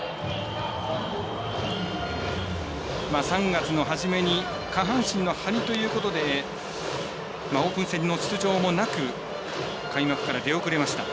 ３月の初めに下半身の張りということでオープン戦の出場もなく開幕から出遅れました。